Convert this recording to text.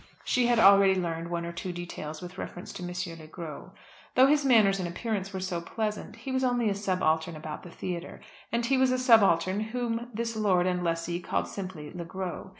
She had already learned one or two details with reference to M. Le Gros. Though his manners and appearance were so pleasant, he was only a subaltern about the theatre; and he was a subaltern whom this lord and lessee called simply Le Gros.